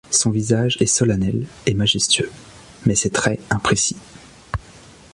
Son visage est solennel et majestueux, mais ses traits imprécis.